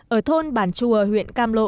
ở thôn bản chùa huyện cam lộ